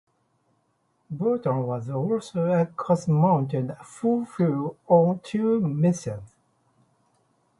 Baturin was also a cosmonaut who flew on two missions.